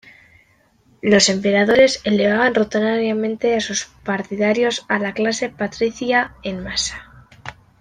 Los emperadores elevaban rutinariamente a sus partidarios a la clase patricia en masa.